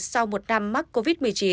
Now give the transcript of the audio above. sau một năm mắc covid một mươi chín